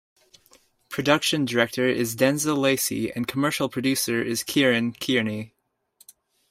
Production Director is Denzil Lacey and Commercial Producer is Ciaran Kearney.